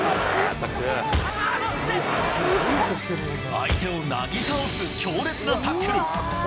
相手をなぎ倒す強烈なタックル。